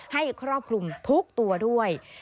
ครอบคลุมทุกตัวด้วย